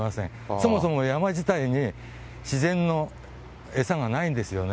そもそも山自体に、自然の餌がないんですよね。